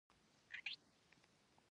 د دې بهیر برخه به وي.